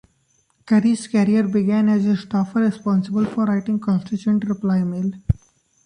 Curry's career began as a staffer responsible for writing constituent reply mail.